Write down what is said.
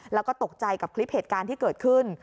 แล้วก็ตกใจกับคลิปเหตุการณ์ที่เกิดขึ้น